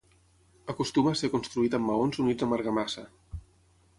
Acostuma a ser construït amb maons units amb argamassa.